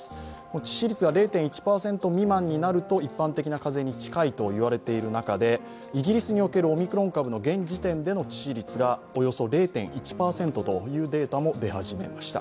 致死率が０．１％未満になると一般的な風邪に近いといわれている中でイギリスにおけるオミクロン株の現時点での致死率がおよそ０．１％というデータも出始めました。